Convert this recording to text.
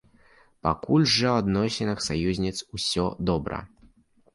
Пакуль жа ў адносінах саюзніц усё добра.